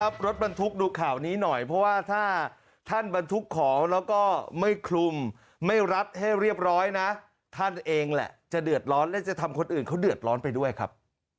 รถบรรทุกดูข่าวนี้หน่อยเพราะว่าถ้าท่านบรรทุกของแล้วก็ไม่คลุมไม่รัดให้เรียบร้อยนะท่านเองแหละจะเดือดร้อนและจะทำคนอื่นเขาเดือดร้อนไปด้วยครับ